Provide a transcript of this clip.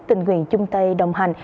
tình nguyện chung tay đồng hành